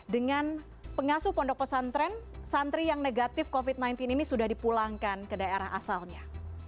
dengan pengasuh pondok pesantren santri yang negatif covid sembilan belas ini sudah dipulangkan ke daerah asalnya